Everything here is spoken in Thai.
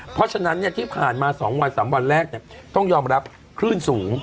เพราะฉะนั้นที่ผ่านมา๒วัน๓วันแรกต้องยอมรับคลื่นสูง